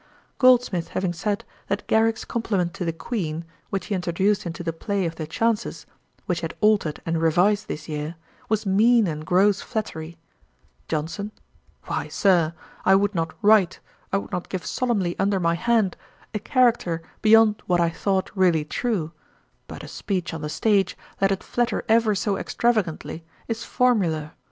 Goldsmith having said, that Garrick's compliment to the Queen, which he introduced into the play of The Chances, which he had altered and revised this year, was mean and gross flattery; JOHNSON. 'Why, Sir, I would not write, I would not give solemnly under my hand, a character beyond what I thought really true; but a speech on the stage, let it flatter ever so extravagantly, is formular.